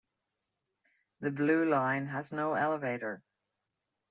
The Blue Line has no elevator.